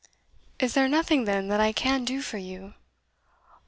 "Is there nothing, then, that I can do for you?"